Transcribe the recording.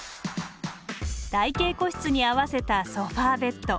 台形個室に合わせたソファーベッド。